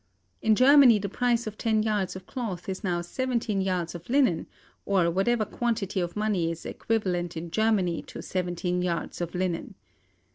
In Germany the price of ten yards of cloth is now seventeen yards of linen, or whatever quantity of money is equivalent in Germany to seventeen yards of linen.